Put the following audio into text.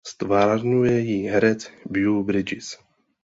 Ztvárňuje ji herec Beau Bridges.